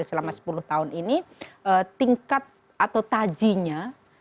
selama sepuluh tahun ini tingkat atau tajinya